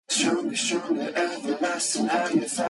She was the cousin of "triumvir" Marcus Licinius Crassus.